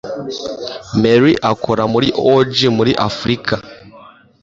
Mary akora muri ONG muri Afrika